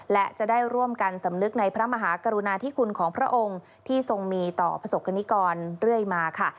และจะได้ร่วมกันสำนึกในพระมหากรุณาธิคุณของพระองค์ที่ทรงมีต่อประสบกรณิกรเรื่อยมาค่ะ